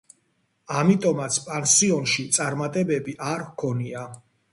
ამიტომაც პანსიონში წარმატებები არ ჰქონია.